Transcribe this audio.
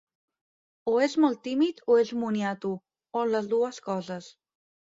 O és molt tímid, o és un moniato, o les dues coses.